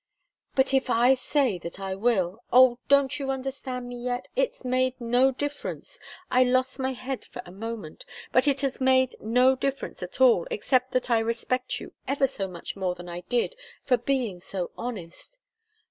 "But if I say that I will? Oh, don't you understand me yet? It's made no difference. I lost my head for a moment but it has made no difference at all, except that I respect you ever so much more than I did, for being so honest!"